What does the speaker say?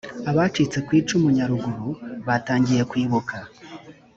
abacitse ku icumu nyarugurubatangiye kwibuka